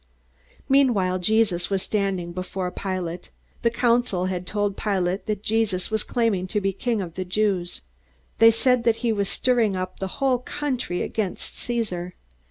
Meanwhile Jesus was standing before Pilate. The council had told Pilate that Jesus was claiming to be the King of the Jews. They said that he was stirring up the whole country against Caesar.